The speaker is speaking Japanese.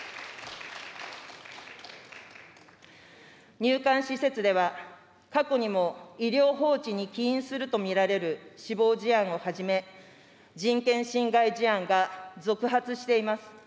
入管施設では、過去にも医療放置に起因すると見られる死亡事案をはじめ、人権侵害事案が続発しています。